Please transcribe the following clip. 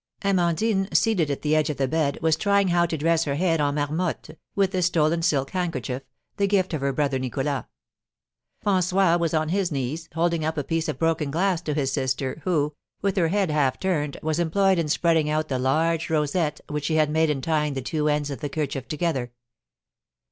Amandine, seated at the edge of the bed, was trying how to dress her head en marmotte, with the stolen silk handkerchief, the gift of her brother Nicholas. François was on his knees, holding up a piece of broken glass to his sister, who, with her head half turned, was employed in spreading out the large rosette which she had made in tying the two ends of the kerchief together.